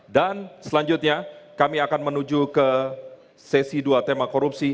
dan selanjutnya kami akan menuju ke sesi dua tema korupsi